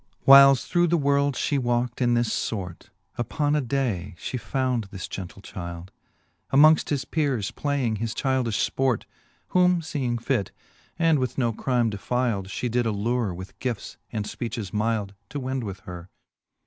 VI. Whiles through the world fhe walked in this fort, ' Upon a day fhe found this gentle childe, Amongft his peres playing his childilh fport: Whom feeing fit, and with no crime defilde. She did allure with gifts and fpeaches milde, To wend with her.